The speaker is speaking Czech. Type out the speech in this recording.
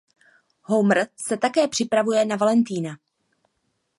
Homer se také připravuje na Valentýna.